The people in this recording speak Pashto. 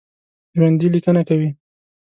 ژوندي لیکنه کوي